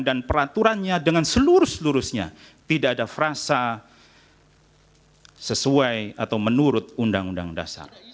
dan peraturannya dengan selurus selurusnya tidak ada frasa sesuai atau menurut undang undang dasar